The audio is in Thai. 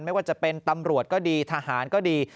ไม่ว่าจะเป็นตำรวจก็ดีทหารก็ดี